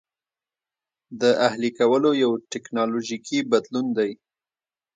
د اهلي کولو یو ټکنالوژیکي بدلون دی.